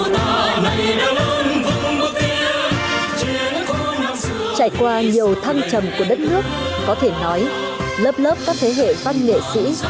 trải qua nhiều thăng trầm của đất nước có thể nói lớp lớp các thế hệ văn nghệ sĩ